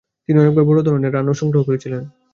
তিনি অনেকবার বড় ধরনের রানও সংগ্রহ করেছিলেন।